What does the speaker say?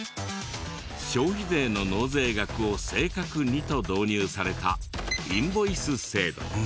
消費税の納税額を正確にと導入されたインボイス制度。